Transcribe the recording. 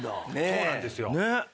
そうなんですよ。